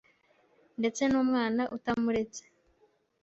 ndeste n’umwana utamuretse.